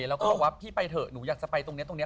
แล้วก็บอกว่าพี่ไปเถอะหนูอยากจะไปตรงนี้ตรงนี้